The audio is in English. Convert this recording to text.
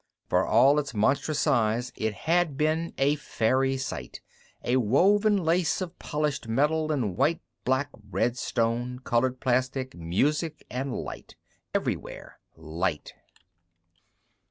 For all its monstrous size, it had been a fairy sight, a woven lace of polished metal and white, black, red stone, colored plastic, music and light everywhere light.